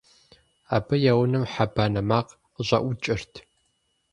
Абы я унэм хьэ банэ макъ къыщӀэӀукӀырт.